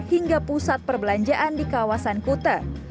hingga pusat perbelanjaan di kawasan kute